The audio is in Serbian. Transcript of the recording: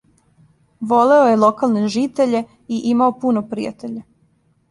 Волео је локалне житеље и имао пуно пријатеља.